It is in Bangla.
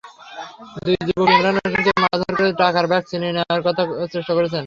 দুই যুবক ইমরান হোসেনকে মারধর করে টাকার ব্যাগ ছিনিয়ে নেওয়ার চেষ্টা করেন।